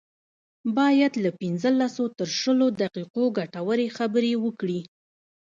بايد له پنځلسو تر شلو دقيقو ګټورې خبرې وکړي.